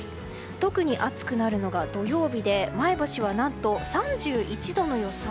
特に暑くなるのが土曜日で前橋は何と３１度の予想。